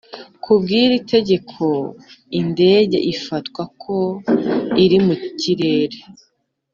Ku bw iri tegeko indege ifatwa ko iri mu kirere